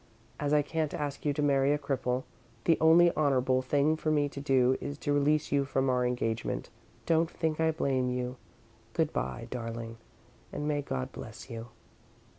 As I can't ask you to marry a cripple, the only honourable thing for me to do is to release you from our engagement. Don't think I blame you. Good bye, darling, and may God bless you.